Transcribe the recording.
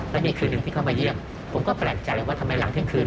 และนี่คือหนึ่งที่เขามาเยี่ยมผมก็แปลกใจว่าทำไมหลังเที่ยงคืน